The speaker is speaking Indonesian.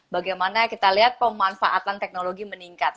bagaimana kita lihat pemanfaatan teknologi meningkat